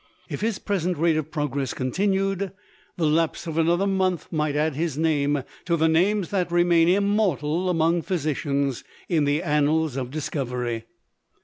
If his present rate of progress continued, the lapse of another month might add his name to the names that remain immortal among physicians, in the Annals of Discovery.